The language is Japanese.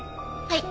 はい。